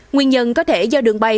nguyên nhân có thể do đường bay